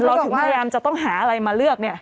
เราถึงพยายามจะต้องหาอะไรมาเลือกเนี่ย